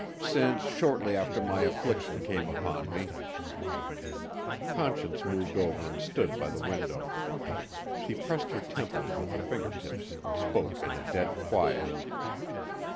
"Since shortly after my affliction came upon me." Conscience moved over and stood by the window. She pressed her temples with her finger tips and spoke in a dead quiet.